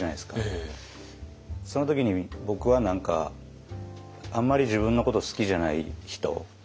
その時に僕は何かあんまり自分のこと好きじゃない人。